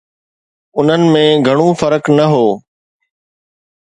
انهن ۾ گهڻو فرق نه هو